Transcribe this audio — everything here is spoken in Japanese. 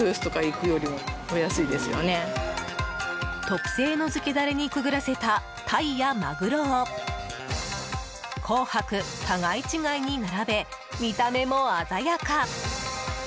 特製の漬けダレにくぐらせたタイやマグロを紅白互い違いに並べ見た目も鮮やか。